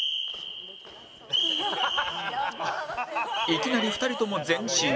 いきなり２人とも前進